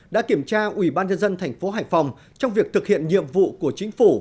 đã kiểm tra ủy ban nhân dân thành phố hải phòng trong việc thực hiện nhiệm vụ của chính phủ